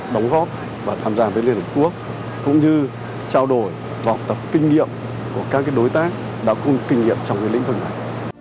đóng góp và tham gia với liên hợp quốc cũng như trao đổi học tập kinh nghiệm của các đối tác đã cùng kinh nghiệm trong lĩnh vực này